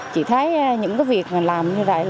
chỉ thấy những việc làm như vậy